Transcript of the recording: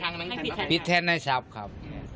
ให้รับผิดแทนให้จับครับ